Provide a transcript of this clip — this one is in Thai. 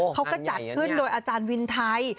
เขาก็จัดขึ้นโดยอาจารย์วินไทย